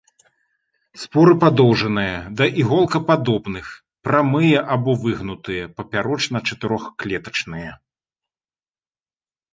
Споры падоўжаныя, да іголкападобных, прамыя або выгнутыя, папярочна-чатырохклетачныя.